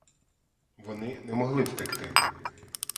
Вони не могли втекти.